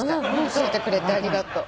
教えてくれてありがとう。